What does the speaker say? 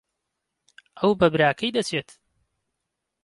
ئەو بە براکەی دەچێت.